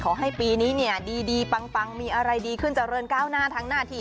ขอให้ปีนี้เนี่ยดีปังมีอะไรดีขึ้นเจริญก้าวหน้าทั้งหน้าที่